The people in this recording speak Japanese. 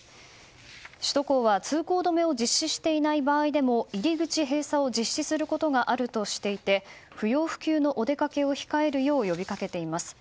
首都高は通行止めを実施していない場合でも入り口封鎖を実施することがあるとしていて不要不急のお出掛けを控えるよう呼びかけています。